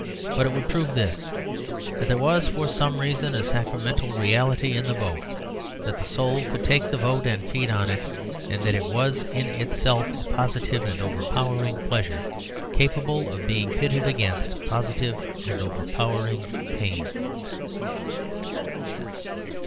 But it would prove this: that there was, for some reason, a sacramental reality in the vote, that the soul could take the vote and feed on it; that it was in itself a positive and overpowering pleasure, capable of being pitted against positive and overpowering pain.